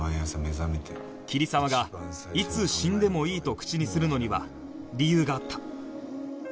桐沢が「いつ死んでもいい」と口にするのには理由があった